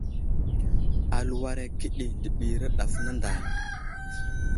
Aluwar akəɗi ndiɓimi ɗaf nənday.